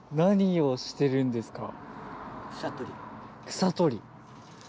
草取り。